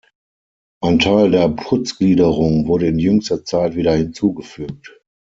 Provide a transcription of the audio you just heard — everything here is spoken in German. Ein Teil der Putzgliederung wurde in jüngster Zeit wieder hinzugefügt.